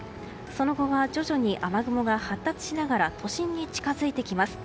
その後は、徐々に雨雲が発達しながら都心に近づいてきます。